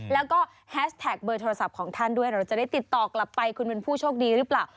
แล้วก็แฮชแท็กเบอร์โทรศัพท์ของท่านด้วยเราจะได้ติดต่อกลับไปคุณเป็นผู้โชคดีหรือเปล่า